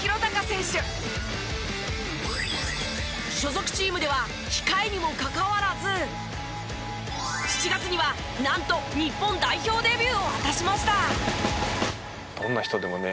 所属チームでは控えにもかかわらず７月にはなんと日本代表デビューを果たしました！